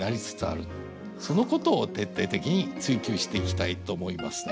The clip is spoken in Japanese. そのことを徹底的に追究していきたいと思いますね。